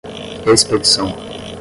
expedição